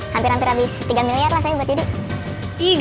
hampir hampir habis tiga miliar lah saya buat judi